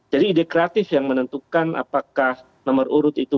jadi ide kreatif yang menentukan apakah nomor urut itu